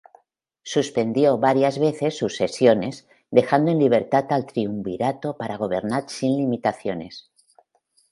Suspendió varias veces sus sesiones, dejando en libertad al Triunvirato para gobernar sin limitaciones.